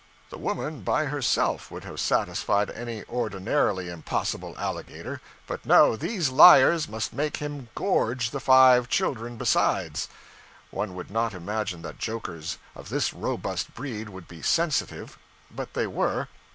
The woman, by herself, would have satisfied any ordinarily impossible alligator; but no, these liars must make him gorge the five children besides. One would not imagine that jokers of this robust breed would be sensitive but they were.